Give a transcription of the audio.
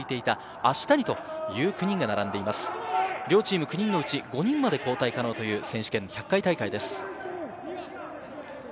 両チーム９人のうち、５人まで交代可能という選手権１００回大会です。